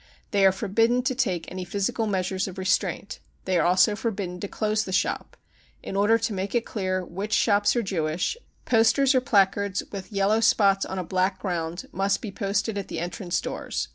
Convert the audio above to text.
They are forbidden to take any physical measures of restraint. They are also forbidden to close the shop. In order to make it clear which shops are Jewish, posters or placards with yellow spots on a black ground must be posted at the entrance doors.